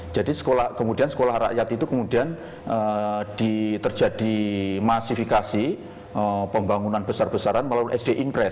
jadi kemudian sekolah rakyat itu kemudian terjadi masifikasi pembangunan besar besaran melalui sd impress